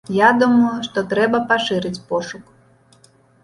Я думаю, што трэба пашырыць пошук.